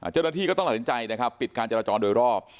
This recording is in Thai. เจ้าหน้าที่ก็ต้องตัดสินใจนะครับปิดการจราจรโดยรอบ